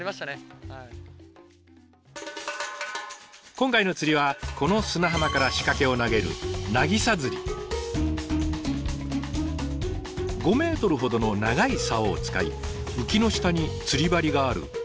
今回の釣りはこの砂浜から仕掛けを投げる５ｍほどの長いサオを使いウキの下に釣り針があるシンプルなものです。